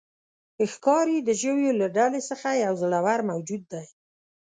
ښکاري د ژویو له ډلې څخه یو زړور موجود دی.